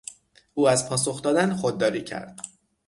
او از پاسخ دادن خودداری کرد.